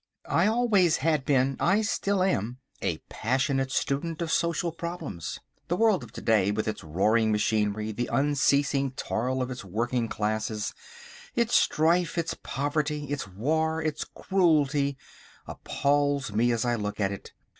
I always had been, I still am, a passionate student of social problems. The world of to day with its roaring machinery, the unceasing toil of its working classes, its strife, its poverty, its war, its cruelty, appals me as I look at it.